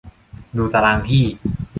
ดูตารางที่